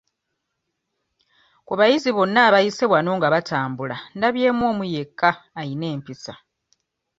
Ku bayizi bonna abayise wano nga batambula ndabyemu omu yekka ayina empisa.